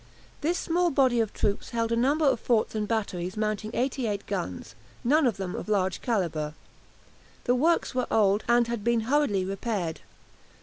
This small body of troops held a number of forts and batteries mounting eighty eight guns, none of them of large calibre. The works were old, and had been hurriedly repaired.